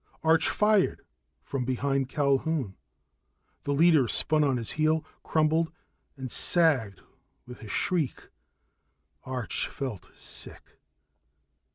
Arch fired from behind Culquhoun. The leader spun on his heel, crumpled, and sagged with a shriek. Arch felt sick.